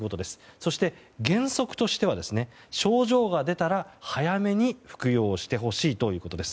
そして、原則としては症状が出たら早めに服用してほしいということです。